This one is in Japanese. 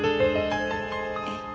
えっ？